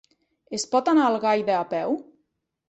Es pot anar a Algaida a peu?